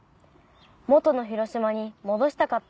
元の広島に戻したかった」。